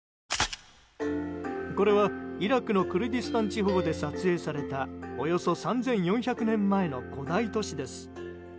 これは、イラクのクルディスタン地方で撮影されたおよそ３４００年前の古代都市です。